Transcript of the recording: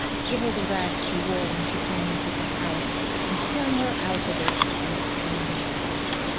'Give her the rags she wore when she came into the house, and turn her out of it!' cries the Queen.